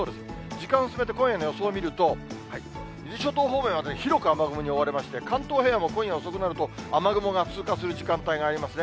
時間進めて、今夜の予想を見ると、伊豆諸島方面は広く雨雲に覆われまして、関東平野も今夜遅くなると、雨雲が通過する時間帯がありますね。